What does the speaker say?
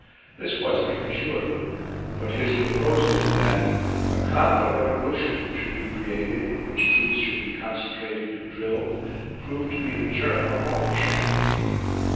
This was premature, but his proposal that "a camp of evolution" should be created, in which troops should be concentrated and drilled, proved to be the germ of Aldershot.